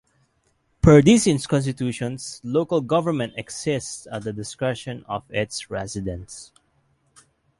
Per these constitutions, local government exists at the discretion of its residents.